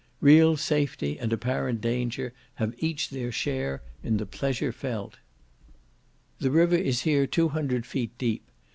Real safety and apparent danger have each their share in the pleasure felt. The river is here two hundred feet deep.